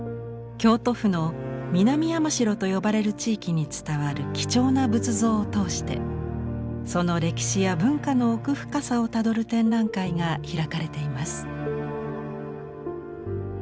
京都府の南山城と呼ばれる地域に伝わる貴重な仏像を通してその歴史や文化の奥深さをたどる展覧会が開かれています。